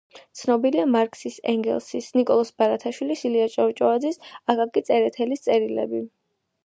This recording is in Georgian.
ცნობილია მარქსის, ენგელსის, ნიკოლოზ ბარათაშვილის, ილია ჭავჭავაძის, აკაკი წერეთლის წერილები.